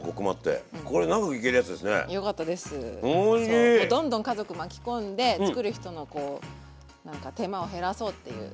そうどんどん家族巻き込んで作る人の手間を減らそうっていう。